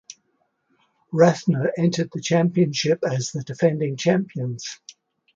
Rathnure entered the championship as the defending champions.